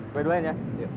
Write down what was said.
gua doain ya